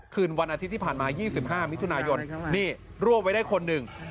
คืนวันอาทิตย์ที่ผ่านมา๒๕มิถุนายนนี่ร่วมไว้ได้คนหนึ่ง